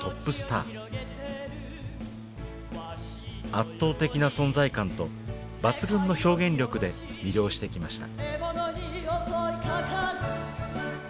圧倒的な存在感と抜群の表現力で魅了してきました。